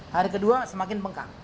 hari ke dua semakin bengkak